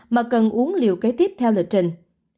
mà cần uống liều kế tiếp theo lệ trình